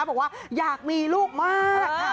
บอกว่าอยากมีลูกมาก